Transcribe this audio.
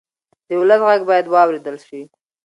د ولس غږ باید واورېدل شي.